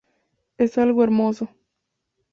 Es algo hermoso".